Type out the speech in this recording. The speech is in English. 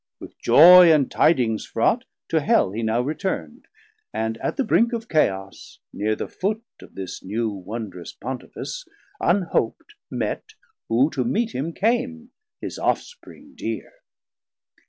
With joy And tidings fraught, to Hell he now return'd, And at the brink of Chaos, neer the foot Of this new wondrous Pontifice, unhop't Met who to meet him came, his Ofspring dear.